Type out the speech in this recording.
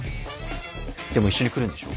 でも一緒に来るんでしょ？